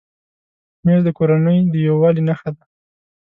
مېز د کورنۍ د یووالي نښه ده.